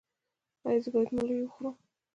ایا زه باید ملی وخورم؟